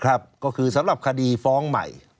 ก็คือสำหรับคดีฟ้องใหม่